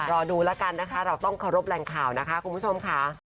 รอดูแล้วกันนะคะเราต้องเคารพแหล่งข่าวนะคะคุณผู้ชมค่ะ